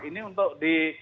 ini untuk di